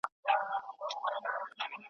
له سهاره تر ماښامه تله راتلله .